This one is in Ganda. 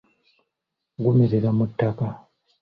Gumerera mu ttaka.